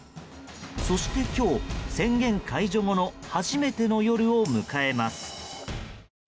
そして今日、宣言解除後の初めての夜を迎えます。